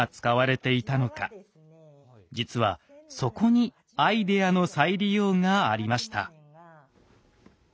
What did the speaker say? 実はそこに「アイデアの再利用」がありました。